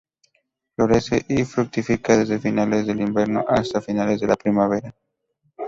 Florece y fructifica desde finales del invierno hasta finales de la primavera.